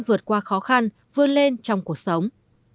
vượt qua khó khăn vươn lên trong cuộc sống